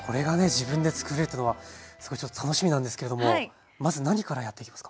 自分でつくれるというのはすごいちょっと楽しみなんですけれどもまず何からやっていきますか？